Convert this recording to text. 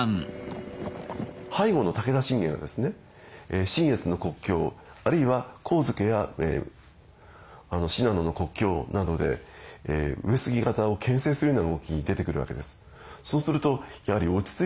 背後の武田信玄がですね信越の国境あるいは上野や信濃の国境などで上杉方をけん制するような動きに出てくるわけです。